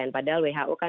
padahal who kan